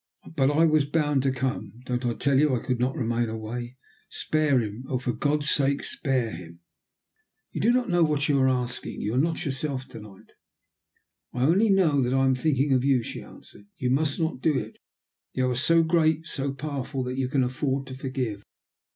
"But I was bound to come don't I tell you I could not remain away? Spare him! Oh! for God's sake, spare him!" "You do not know what you are asking. You are not yourself to night." "I only know that I am thinking of you," she answered. "You must not do it! You are so great, so powerful, that you can afford to forgive.